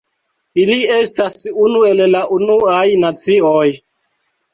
Ili estas unu el la Unuaj Nacioj.